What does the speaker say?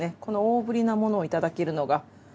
この大ぶりなものをいただけるのが。